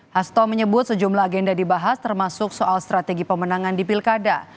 hasto menyebut sejumlah agenda dibahas termasuk soal strategi pemenangan di pilkada